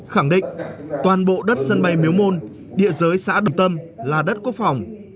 khẳng định toàn bộ đất sân bay miếu môn địa giới xã đồng tâm là đất quốc phòng